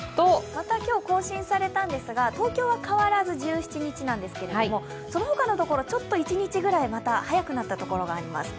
また今日更新されたんですが東京は変わらず１７日なんですけれどもその他のところ、１日ぐらいまた早くなった所があります。